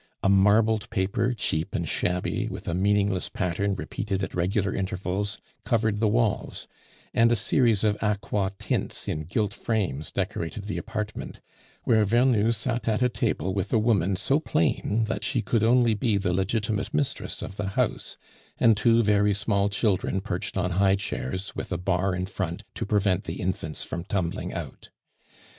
A marbled paper, cheap and shabby, with a meaningless pattern repeated at regular intervals, covered the walls, and a series of aqua tints in gilt frames decorated the apartment, where Vernou sat at table with a woman so plain that she could only be the legitimate mistress of the house, and two very small children perched on high chairs with a bar in front to prevent the infants from tumbling out.